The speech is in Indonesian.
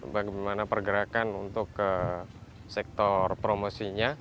bagaimana pergerakan untuk ke sektor promosinya